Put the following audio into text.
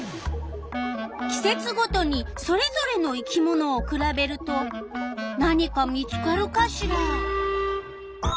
季節ごとにそれぞれの生き物をくらべると何か見つかるかしら？